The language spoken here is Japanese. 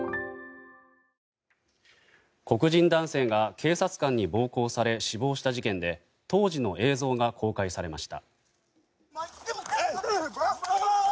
黒人男性が警察官に暴行され死亡した事件で当時の映像が公開されました。